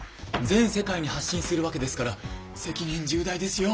全世界に発信するわけですから責任重大ですよ。